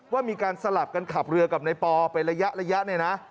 ว่ามีการสลับกันขับเรือกับในปอเป็นระยะเนี่ยนะ